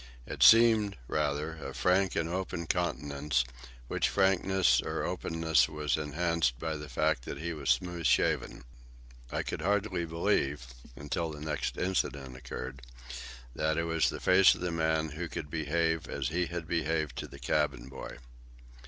It seemed, rather, a frank and open countenance, which frankness or openness was enhanced by the fact that he was smooth shaven. I could hardly believe—until the next incident occurred—that it was the face of a man who could behave as he had behaved to the cabin boy.